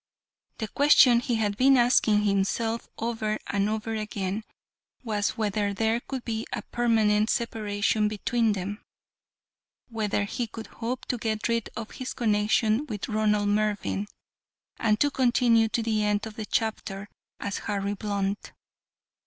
The question he had been asking himself over and over again was whether there could be a permanent separation between them, whether he could hope to get rid of his connection with Ronald Mervyn, and to continue to the end of the chapter as Harry Blunt.